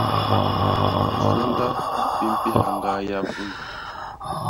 Bisônda bi mpéha ñgaa yap i ñgii.